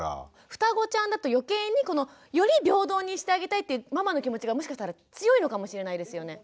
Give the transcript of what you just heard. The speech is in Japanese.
ふたごちゃんだと余計により平等にしてあげたいってママの気持ちがもしかしたら強いのかもしれないですよね。